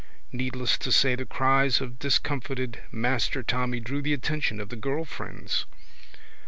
Needless to say the cries of discomfited Master Tommy drew the attention of the girl friends.